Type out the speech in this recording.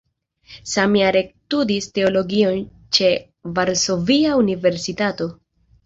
Samjare ekstudis teologion ĉe Varsovia Universitato.